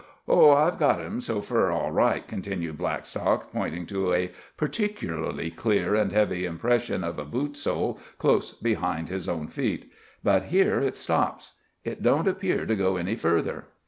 "Oh, I've got him, so fur, all right," continued Blackstock, pointing to a particularly clear and heavy impression of a boot sole close behind his own feet. "But here it stops. It don't appear to go any further."